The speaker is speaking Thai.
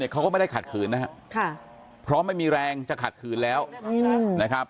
เขาก็ไม่ได้ขัดขืนนะครับเพราะไม่มีแรงจะขัดขืนแล้วนะครับ